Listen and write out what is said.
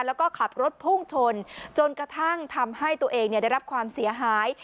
แล้วก็ขับรถพุ่งชนจนกระทั่งทำให้ตัวเองได้รับความเสียหาย